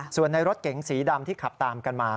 ส่วนในรถเก๋งสีดำที่ขับตามกันมา